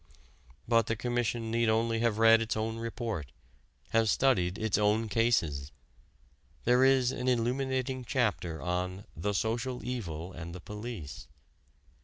But the Commission need only have read its own report, have studied its own cases. There is an illuminating chapter on "The Social Evil and the Police."